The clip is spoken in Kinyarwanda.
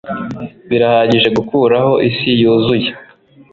birahagije gukuraho isi yuzuye